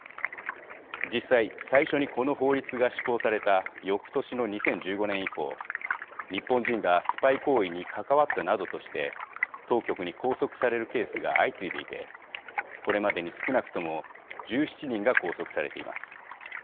実際、最初にこの法律が施行されたよくとしの２０１５年以降日本人がスパイ行為に関わったなどとして当局に拘束されるケースが相次いでいてこれまでに少なくとも１７人が拘束されています。